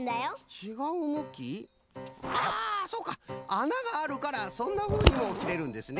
あながあるからそんなふうにもきれるんですね！